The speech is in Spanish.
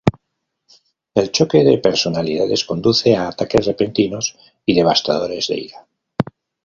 El choque de personalidades conduce a ataques repentinos y devastadores de ira.